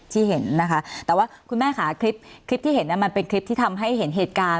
ที่เห็นนะคะแต่ว่าคุณแม่ค่ะคลิปคลิปที่เห็นมันเป็นคลิปที่ทำให้เห็นเหตุการณ์